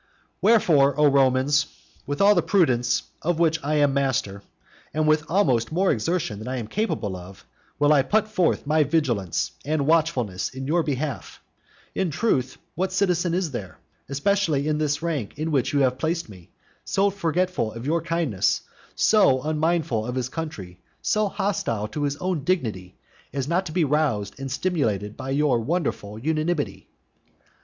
VII Wherefore, O Romans, with all the prudence of which I am master, and with almost more exertion than I am capable of, will I put forth my vigilance and watchfulness in your behalf In truth, what citizen is there, especially in this rank in which you have placed me, so forgetful of your kindness, so unmindful of his country, so hostile to his own dignity, as not to be roused and stimulated by your wonderful unanimity?